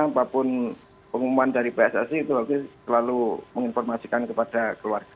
apapun pengumuman dari pssi itu harus selalu menginformasikan kepada keluarga